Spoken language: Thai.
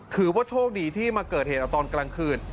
ถือว่าโชคดีที่มาเกิดเหตุเอาตอนกลางคืน